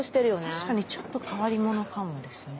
確かにちょっと変わり者かもですね。